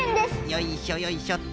よいしょよいしょっと。